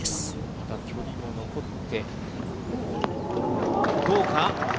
また距離も残って、どうか。